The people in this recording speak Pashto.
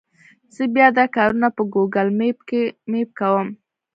زه بیا دا کارونه په ګوګل مېپ کوم.